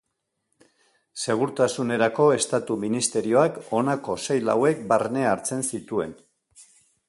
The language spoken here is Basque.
Segurtasunerako Estatu Ministerioak honako sail hauek barne hartzen zituen.